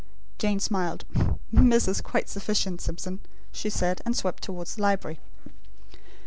Jane smiled. "'Miss' is quite sufficient, Simpson," she said; and swept towards the library.